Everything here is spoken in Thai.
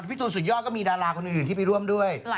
พี่ตูนสุดยอดก็มีดาราคนอื่นที่ไปร่วมด้วย